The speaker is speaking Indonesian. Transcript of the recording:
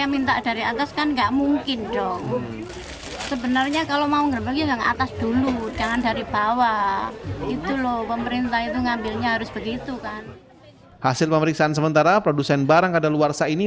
mereka mengambil barang yang berbahaya dan mereka mengambil barang yang berbahaya